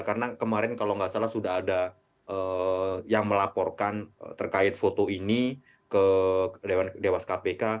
karena kemarin kalau nggak salah sudah ada yang melaporkan terkait foto ini ke dewas kpk